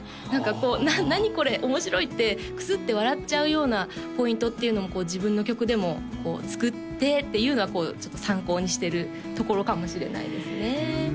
何かこう「何？これ面白い」ってクスッて笑っちゃうようなポイントっていうのも自分の曲でも作ってっていうのはちょっと参考にしてるところかもしれないですね